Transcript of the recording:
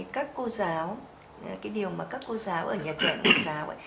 các cô giáo cái điều mà các cô giáo ở nhà trẻ định giáo